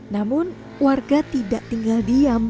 namun warga tidak tinggal diam